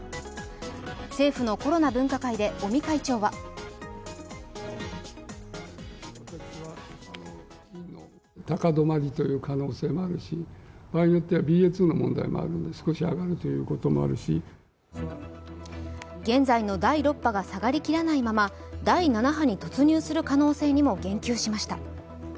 政府のコロナ分科会で尾身会長は現在の第６波が下がりきらないまま、第７波に突入する可能性にも言及しました。